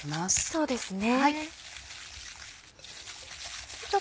そうですね。